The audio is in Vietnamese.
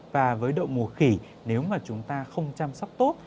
và với đậu mùa khỉ nếu mà chúng ta không chăm sóc tốt